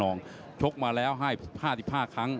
ส่วนคู่ต่อไปของกาวสีมือเจ้าระเข้ยวนะครับขอบคุณด้วย